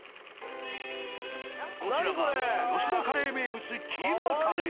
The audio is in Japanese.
こちらが「吉田カレー」名物キーマカレー。